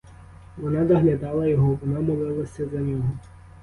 Вона доглядала його, вона молилася за нього.